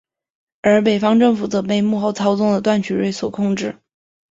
而北方政府则被幕后操纵的段祺瑞所控制。